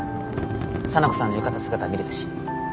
沙名子さんの浴衣姿見れたし。